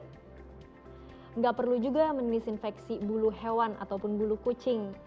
tidak perlu juga mendisinfeksi bulu hewan ataupun bulu kucing